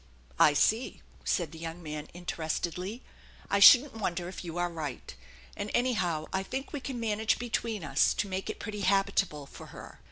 " I see," said the young man interestedly. " I shouldn't wonder if you are right. And anyhow I think we can manage between us to make it pretty habitable for her."